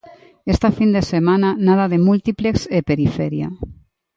Esta fin de semana, nada de múltiplex e periferia.